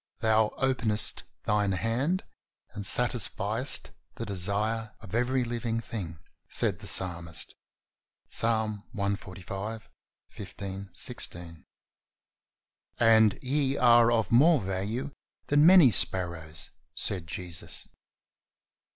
Thou openest Thine hand and satisfiest the desire of every living thing," said the Psalmist (Ps. 145: 15, 16), and "Ye are of more value than many sparrows," said Jesus.